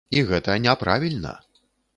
І гэта не правільна.